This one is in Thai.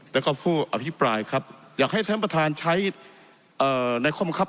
แล้วก็ผู้อภิปรายครับอยากให้ท่านประธานใช้เอ่อในความความความความ